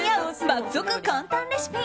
爆速簡単レシピ。